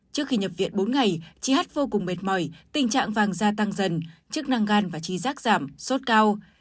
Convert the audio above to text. trước khi nhập viện bốn ngày chị hát vô cùng mệt mỏi tình trạng vàng da tăng dần chức năng gan và chi giác giảm sốt cao